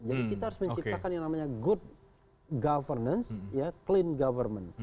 jadi kita harus menciptakan yang namanya good governance ya clean government